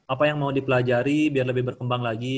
apa yang mau dipelajari biar lebih berkembang lagi